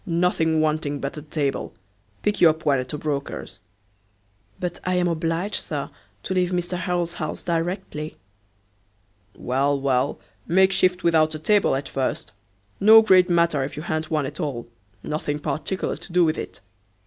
Nothing wanting but a table; pick you up one at a broker's." "But I am obliged, Sir, to leave Mr Harrel's house directly." "Well, well, make shift without a table at first; no great matter if you ha'n't one at all, nothing particular to do with it.